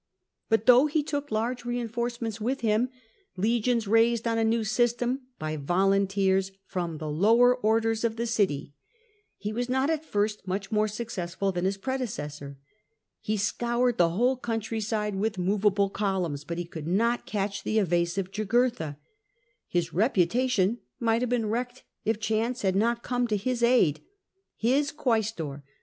But though he took large reinforcements with him, legions raised on a new system, by volunteers from the lower orders of the city, he was not at first much more successful than his predecessor. He scoured the whole country side with movable columns, but he could not catch the evasive Jugurtha. His reputation might have been wrecked if chance had not come in to his aid. His quaestor, L.